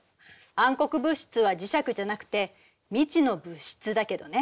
暗黒物質は磁石じゃなくて未知の物質だけどね。